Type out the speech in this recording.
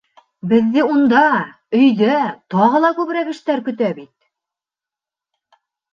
Беҙҙе унда, өйҙә, тағы ла күберәк эштәр көтә бит.